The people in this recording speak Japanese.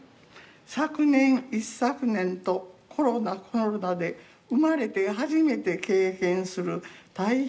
昨年一昨年とコロナコロナで生まれて初めて経験する大変な年になりました。